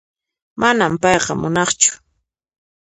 Manan kayqa nuqaqchu